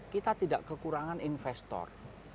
kita tidak kekurangan investor